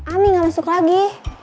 ami nggak masuk lagi